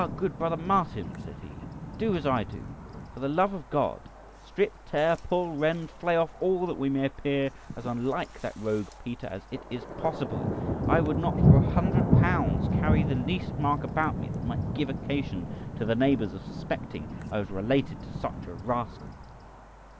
good brother Martin," said he, "do as I do, for the love of God; strip, tear, pull, rend, flay off all that we may appear as unlike that rogue Peter as it is possible. I would not for a hundred pounds carry the least mark about me that might give occasion to the neighbours of suspecting I was related to such a rascal."